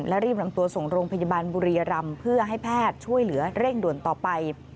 และรีบนำตัวส่งโรงพยาบาลบุรียรำเพื่อให้แพทย์ช่วยเหลือเร่งด่วนต่อไป